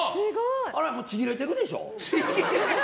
あれ、もうちぎれてるでしょ？